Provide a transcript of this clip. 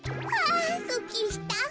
あすっきりした。